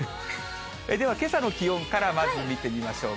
では、けさの気温からまず見てみましょう。